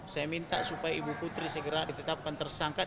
saya minta supaya ibu putri segera ditetapkan tersangkat